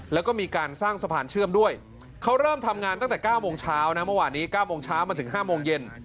แล้วก็มีการสร้างสะพานเชื่อมด้วยเขาเริ่มทำงานตั้งแต่๙โมงเช้านะเมื่อวานนี้๙โมงเช้ามาถึง๕โมงเย็น